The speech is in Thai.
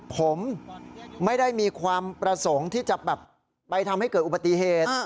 ผมไม่ได้มีความประสงค์ที่จะแบบไปทำให้เกิดอุบัติเหตุ